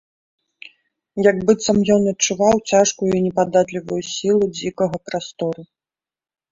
Як быццам ён адчуваў цяжкую і непадатлівую сілу дзікага прастору.